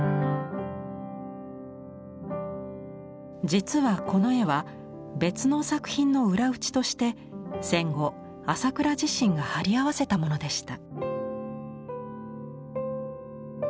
実はこの絵は別の作品の裏打ちとして戦後朝倉自身がはり合わせたものでした。